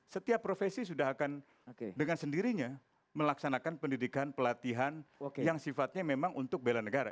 setiap profesi sudah akan dengan sendirinya melaksanakan pendidikan pelatihan yang sifatnya memang untuk bela negara